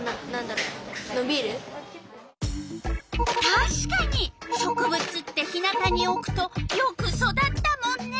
たしかに植物って日なたにおくとよく育ったもんね。